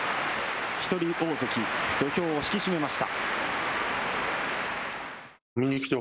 １人大関土俵を引き締めました。